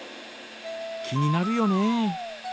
気になるよね。